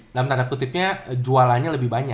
dalam tanda kutipnya jualannya lebih banyak